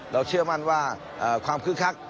เราเชื่อว่าความคือคัก